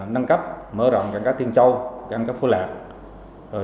nâng cấp mở rộng cảng cá tiên châu cảng cát phú lạc